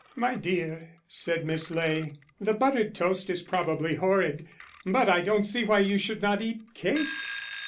"My dear," said Miss Ley, "the buttered toast is probably horrid, but I don't see why you should not eat cake."